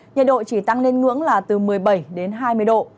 nhiệt độ chỉ tăng lên ngưỡng là từ một mươi bảy đến hai mươi độ